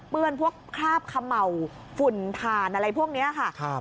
พวกคราบเขม่าฝุ่นถ่านอะไรพวกนี้ค่ะ